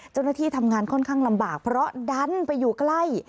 เจ้าหน้าที่ทำงานค่อนข้างลำบากเพราะดันไปอยู่ใกล้